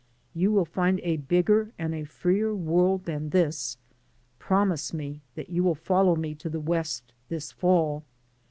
You will find a bigger and a freer world than this. Promise me that you will follow me to the West this fall.